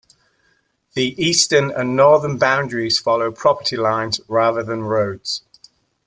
The eastern and northern boundaries follow property lines, rather than roads.